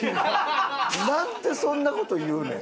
なんでそんな事言うねん。